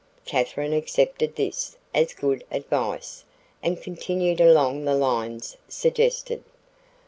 Katherine accepted this as good advice and continued along the lines suggested.